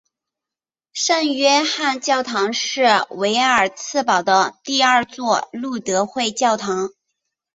圣约翰教堂是维尔茨堡的第二座路德会教堂。